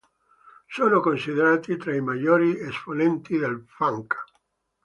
Sono considerati tra i maggiori esponenti del funk.